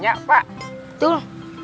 ya abis ini